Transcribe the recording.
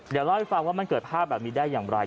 เดี๋ยวเล่าให้ฟังว่ามันเกิดภาพแบบนี้ได้อย่างไร